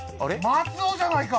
松尾じゃないか！